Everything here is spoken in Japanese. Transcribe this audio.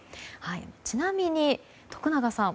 ちなみに徳永さん